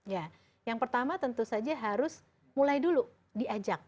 ya yang pertama tentu saja harus mulai dulu diajak